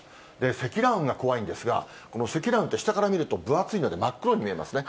積乱雲が怖いんですが、この積乱雲って下から見ると分厚いので、真っ黒に見えますね。